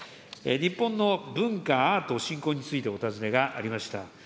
日本の文化・アート振興についてお尋ねがありました。